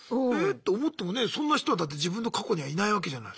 そんな人はだって自分の過去にはいないわけじゃない？